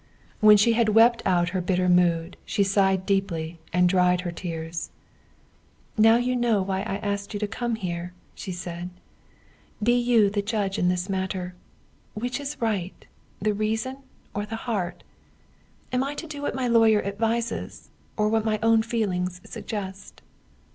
When she had wept out her bitter mood, she sighed deeply, and dried her tears. "Now you know why I asked you to come here," said she. "Be you the judge in this matter. Which is right, the reason or the heart? Am I to do what my lawyer advises, or what my own feelings suggest?"